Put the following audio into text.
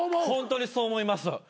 ホントにそう思います。